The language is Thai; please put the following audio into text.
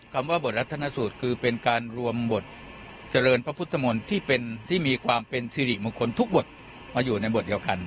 คำว่าบทรัฐนสูตรคือเป็นการรวมบทเจริญพระพุทธมนตร์ที่เป็นที่มีความเป็นสิริมงคลทุกบทมาอยู่ในบทเดียวกัน